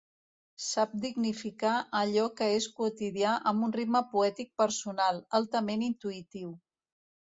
Sap dignificar allò que és quotidià amb un ritme poètic personal, altament intuïtiu.